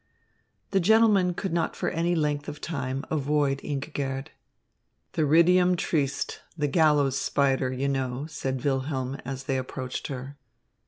The gentlemen could not for any length of time avoid Ingigerd. "Theridium triste, the gallows spider, you know," said Wilhelm, as they approached her.